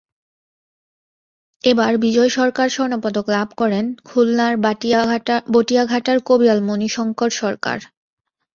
এবার বিজয় সরকার স্বর্ণপদক লাভ করেন খুলনার বটিয়াঘাটার কবিয়াল মনি শঙ্কর সরকার।